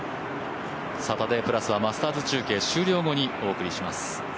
サタデープラスはマスターズ中継終了後にお送りします。